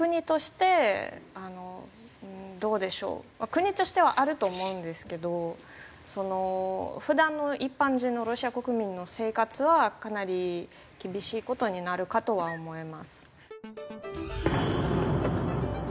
国としてはあると思うんですけどその普段の一般人のロシア国民の生活はかなり厳しい事になるかとは思います。